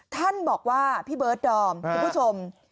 ท่านบอกว่าพี่เบิร์ดดอมคุณผู้ชม